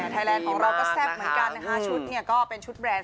ไทยแลนด์ของเราก็แซ่บเหมือนกันนะคะชุดเนี่ยก็เป็นชุดแบรนด์